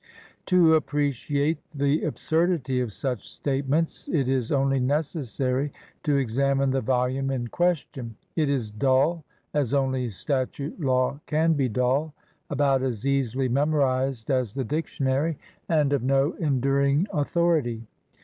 To appreciate the absurdity of such statements it is only necessary to examine the volume in 11 LINCOLN THE LAWYER question. It is dull as only statute law can be dull, about as easily memorized as the dictionary, and of no enduring authority.